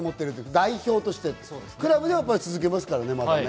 代表としてクラブでは続けますからね。